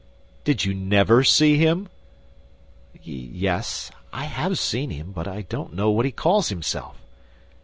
"Did you never see him?" "Yes, I have seen him, but I don't know what he calls himself."